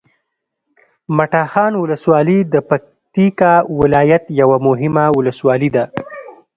مټاخان ولسوالي د پکتیکا ولایت یوه مهمه ولسوالي ده